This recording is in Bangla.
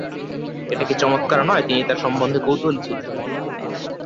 "এটা কি চমৎকার নয়?" তিনি তার সম্বন্ধে কৌতূহলী ছিলেন।